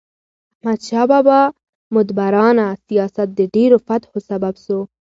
احمدشاه بابا مدبرانه سیاست د ډیرو فتحو سبب سو.